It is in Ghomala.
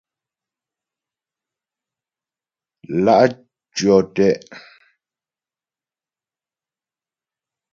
Lá' tyɔ́ te'.